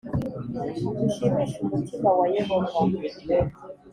Dushimishe umutima wa Yehova